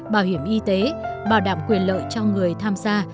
bảo hiểm y tế bảo đảm quyền lợi cho người tham gia